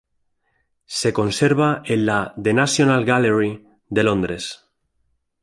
Se conserva en la The National Gallery de Londres.